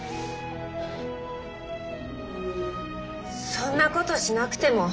そんなことしなくても。